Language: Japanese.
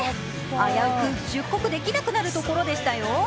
危うく出国できなくなるところでしたよ。